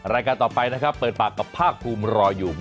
รายการต่อไปนะครับเปิดปากกับภาคภูมิรออยู่